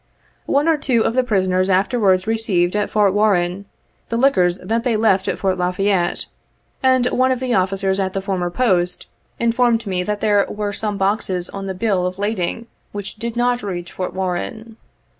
One or two of the prisoners afterwards received, at Fort Warren, the liquors that they left at Fort La Fayette, and one of the officers at the former Post in formed me that there were some boxes on the bill of lading which did not reach Fort Warren.